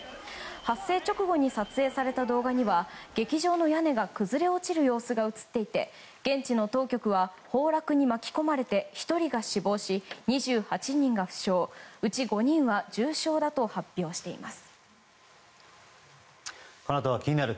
発生直後に撮影された動画には劇場の屋根が崩れ落ちる様子が映っていて現地の当局は崩落に巻き込まれて１人が死亡し２８人が負傷うち５人は重傷だと発表しています。